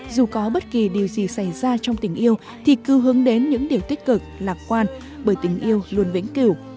dù có bất kỳ điều gì xảy ra trong tình yêu thì cứ hướng đến những điều tích cực lạc quan bởi tình yêu luôn vĩnh cửu